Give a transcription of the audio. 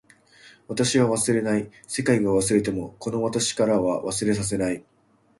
私は忘れない。世界が忘れてもこの私からは忘れさせない。